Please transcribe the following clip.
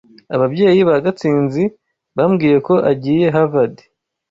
Ababyeyi ba Gatsinzi bambwiye ko agiye Harvard.